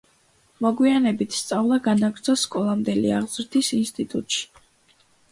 მოგვიანებით სწავლა განაგრძო სკოლამდელი აღზრდის ინსტიტუტში.